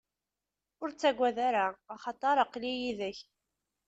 Ur ttagad ara, axaṭer aql-i yid-k.